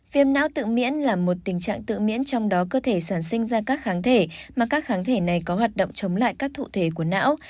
viêm não tự miễn là một tình trạng tự miễn trong đó cơ thể sản sinh ra các kháng thể mà các kháng thể này có hoạt động chống lại các thủ thể của não